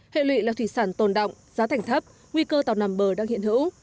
hệ lụy là thủy sản tồn động giá thành thấp nguy cơ tàu nằm bờ đang hiện hữu